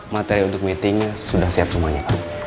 materi untuk meetingnya sudah siap semuanya kan